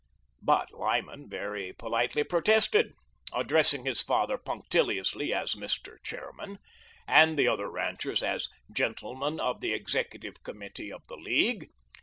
But Lyman very politely protested, addressing his father punctiliously as "Mr. Chairman," and the other ranchers as "Gentlemen of the Executive Committee of the League."